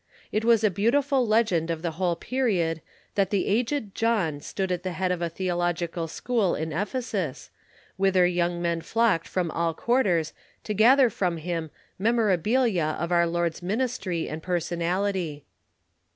It was a beautiful legend of the whole period that the aged John stood at the head of a theological school in Ephesus, whither young men flocked from all quarters to gather from him memorabilia of our Lord's ministry and per sonality.